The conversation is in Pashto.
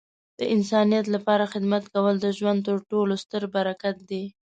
د انسانیت لپاره خدمت کول د ژوند تر ټولو ستره برکت دی.